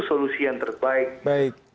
solusi yang terbaik